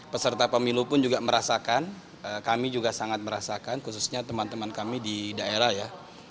peserta pemilu pun juga merasakan kami juga sangat merasakan khususnya teman teman kami di daerah ya